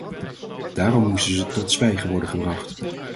Daarom moesten ze tot zwijgen worden gebracht.